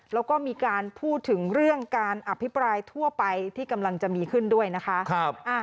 แล้วก็มีการพูดถึงเรื่องการอภิปรายทั่วไปที่กำลังจะมีขึ้นด้วยนะคะ